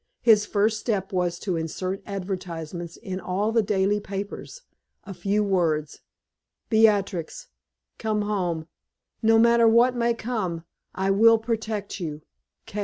His first step was to insert advertisements in all the daily papers a few words. "Beatrix, come home. No matter what may come, I will protect you.